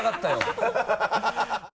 ハハハ